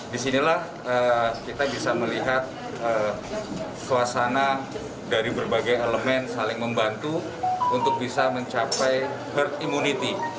disinilah kita bisa melihat suasana dari berbagai elemen saling membantu untuk bisa mencapai herd immunity